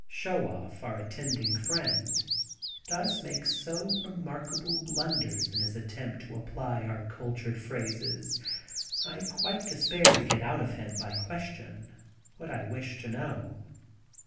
Show Off, our attending friend, does make so remarkable blunders in his attempt to apply our cultured phrases, I quite despair to get out of him by question what I wish to know.